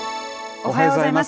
おはようございます。